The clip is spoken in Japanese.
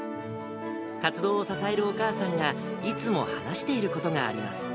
活動を支えるお母さんが、いつも話していることがあります。